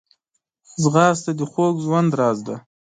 ځغاسته د خوږ ژوند راز دی